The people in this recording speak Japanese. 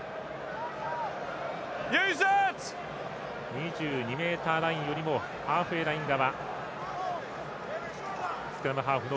２２ｍラインよりもハーフウェーライン側。